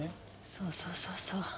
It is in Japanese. そうそうそうそう。